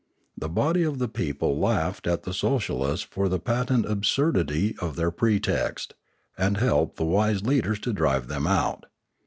The body of the people laughed at the social ists for the patent absurdity of their pretext, and helped the wise leaders to drive them out.